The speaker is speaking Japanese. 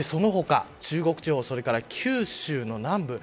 その他中国地方それから九州南部。